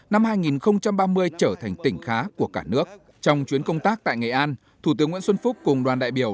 năm hai nghìn ba mươi trở thành tỉnh khá của cả nước trong chuyến công tác tại nghệ an thủ tướng nguyễn xuân phúc cùng đoàn đại biểu